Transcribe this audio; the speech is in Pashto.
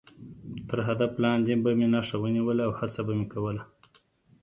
تر هدف لاندې به مې نښه ونیوله او هڅه به مې کوله.